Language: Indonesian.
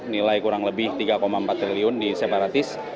nilai kurang lebih tiga empat triliun di separatis